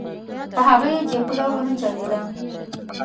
په هغه یې چې خوله ونه چلېده.